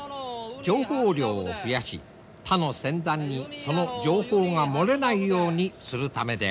情報量を増やし他の船団にその情報が漏れないようにするためである。